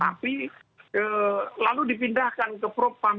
tapi lalu dipindahkan ke propam